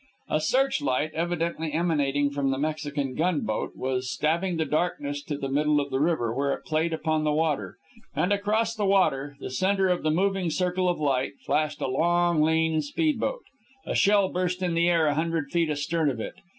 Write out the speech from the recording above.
A searchlight, evidently emanating from the Mexican gunboat, was stabbing the darkness to the middle of the river, where it played upon the water. And across the water, the center of the moving circle of light, flashed a long, lean speedboat. A shell burst in the air a hundred feet astern of it.